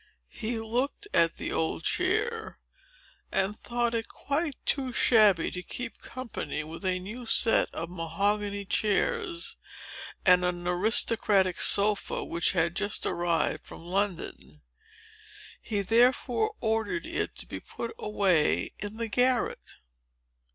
He looked at the old chair, and thought it quite too shabby to keep company with a new set of mahogany chairs, and an aristocratic sofa, which had just arrived from London. He therefore ordered it to be put away in the garret."